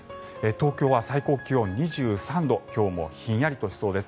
東京は最高気温は２３度今日もひんやりとしそうです。